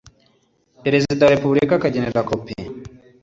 perezida wa repubulika akagenera kopi